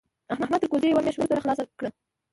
احمد تر کوزدې يوه مياشت روسته پښه خلاصه کړه.